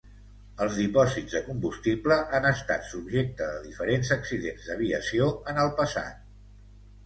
Els dipòsits de combustible han estat subjecte de diferents accidents d'aviació en el passat.